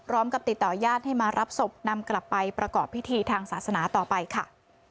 พร้อมกับติดต่อญาติให้มารับศพนำกลับไปประกอบพิธีทางศาสนาต่อไปค่ะ